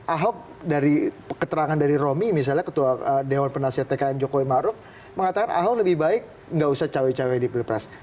ahok dari keterangan dari romi misalnya ketua dewan penasihat tkn jokowi maruf mengatakan ahok lebih baik nggak usah cawe cawe di pilpres